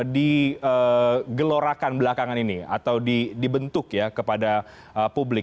di gelorakan belakangan ini atau dibentuk ya kepada publik